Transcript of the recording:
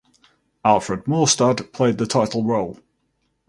Alfred Maurstad played the title role.